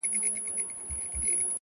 اخلاص د کردار رښتینولی څرګندوي!.